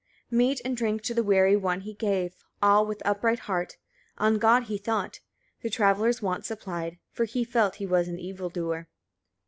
4. Meat and drink to the weary one he gave, all with upright heart; on God he thought, the traveller's wants supplied; for he felt he was an evil doer.